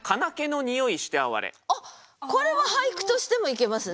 あっこれは俳句としてもいけますね。